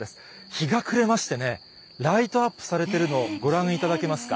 日が暮れましてね、ライトアップされてるのをご覧いただけますか。